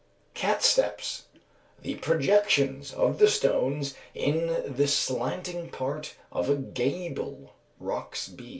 _). Catsteps. The projections of the stones in the slanting part of a gable (_Roxb.